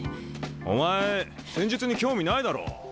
お前戦術に興味ないだろ？